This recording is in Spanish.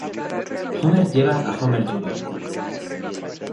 Homer lleva a Homer Jr.